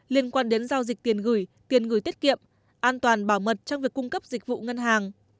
liên quan đến giao dịch tiền gửi tiền gửi tiết kiệm an toàn bảo mật trong việc cung cấp dịch vụ ngân hàng